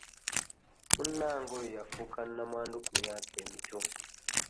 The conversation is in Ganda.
Munnange oyo yafuuka namwandu ku myaka emito.